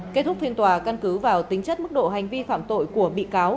kết thúc phiên tòa căn cứ vào tính chất mức độ hành vi phạm tội của bị cáo